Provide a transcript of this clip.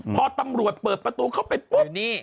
พอตำรวจเปิดประตูเข้าไปปุ๊บนี่